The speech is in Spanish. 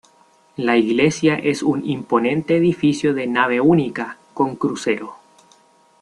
La iglesia es un imponente edificio de nave única, con crucero.